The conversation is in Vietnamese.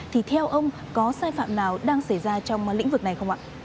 thì theo ông có sai phạm nào đang xảy ra trong lĩnh vực này không ạ